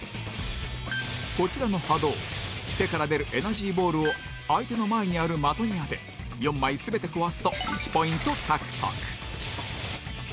こちらの ＨＡＤＯ 手から出るエナジーボールを相手の前にある的に当て４枚全て壊すと１ポイント獲得